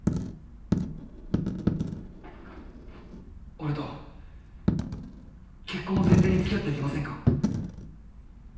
俺と結婚を前提につきあっていきませんか。